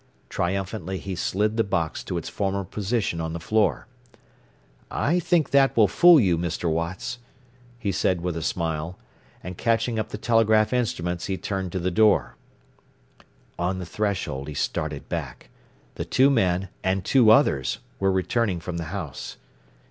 Triumphantly he slid the box to its former position on the floor. "I think that will fool you, Mr. Watts," he said with a smile, and catching up the telegraph instruments he turned to the door. On the threshold he started back. The two men, and two others, were returning from the house.